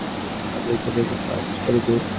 চাকুরী খোজার কাজ কতদূর?